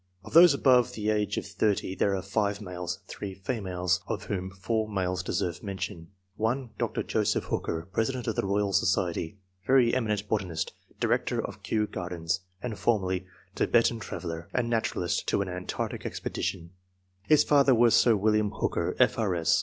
— Of those above the age of 30 there are 5 males and 3 females, of whom 4 males deserve mention i — (1) Dr. Joseph Hooker, president of the Koyal Society, very eminent botanist, director of Kew Gardens, and formerly Thibetan traveller, and naturalist to an antarctic expedition ; his father was Sir WiUiam Hooker, F.R.S.